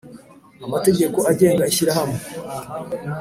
amategeko agenga ishyirahamwe